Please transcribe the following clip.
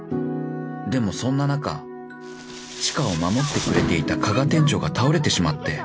［でもそんな中知花を守ってくれていた加賀店長が倒れてしまって］